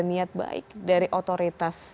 niat baik dari otoritas